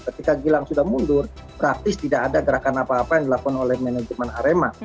ketika gilang sudah mundur praktis tidak ada gerakan apa apa yang dilakukan oleh manajemen arema